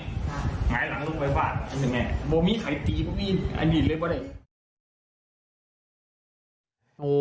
แล้วแม่เอามือทุบทุบหัวทุบหลังแบบนี้คุณ